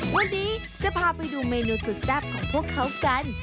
วันนี้จะพาไปดูเมนูสุดแซ่บของพวกเขากัน